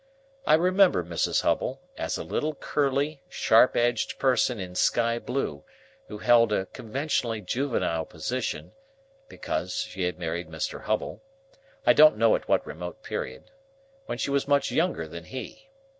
I remember Mrs. Hubble as a little curly sharp edged person in sky blue, who held a conventionally juvenile position, because she had married Mr. Hubble,—I don't know at what remote period,—when she was much younger than he.